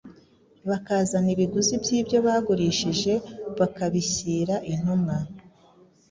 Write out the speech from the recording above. bakazana ibiguzi by’ibyo bagurishije bakabishyira intumwa, “